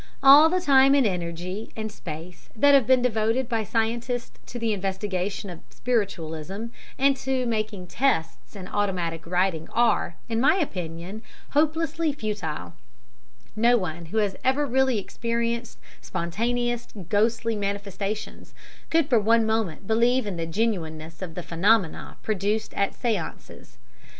All the time and energy and space that have been devoted by scientists to the investigation of spiritualism and to making tests in automatic writing are, in my opinion and, I believe, I speak for the man in the street hopelessly futile. No one, who has ever really experienced spontaneous ghostly manifestations, could for one moment believe in the genuineness of the phenomena produced at séances.